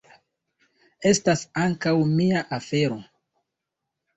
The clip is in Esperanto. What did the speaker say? Estas ankaŭ mia afero.